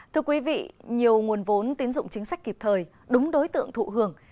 thưa quý vị nhiều nguồn vốn tín dụng chính sách kịp thời đúng đối tượng thụ hưởng